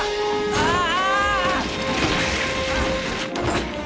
ああ！